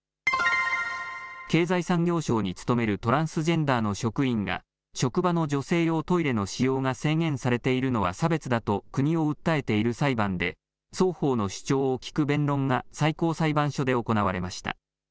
経済産業省に勤めるトランスジェンダーの職員が、職場の女性用トイレの使用が制限されているのは差別だと国を訴えている裁判で、双方の主張を聞く弁論が最高裁判所で行われました。